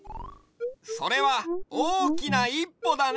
それはおおきないっぽだね！